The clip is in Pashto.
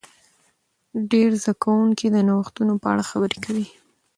ډیر زده کوونکي د نوښتونو په اړه خبرې کوي.